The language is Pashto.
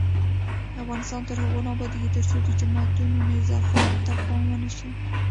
افغانستان تر هغو نه ابادیږي، ترڅو د جوماتونو نظافت ته پام ونشي.